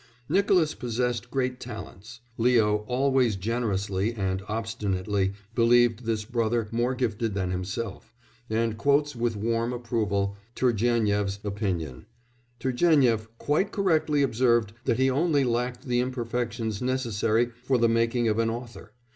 Nicolas possessed great talents; Leo always generously and obstinately believed this brother more gifted than himself, and quotes, with warm approval, Turgénief's opinion: "Turgénief quite correctly observed that he only lacked the imperfections necessary for the making of an author.